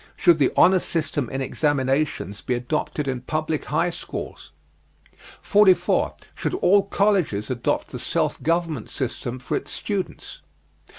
Should the honor system in examinations be adopted in public high schools? 44. Should all colleges adopt the self government system for its students?